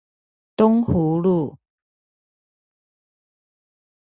東湖路